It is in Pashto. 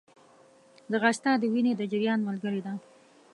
ځغاسته د وینې د جریان ملګری ده